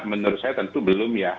menurut saya tentu belum ya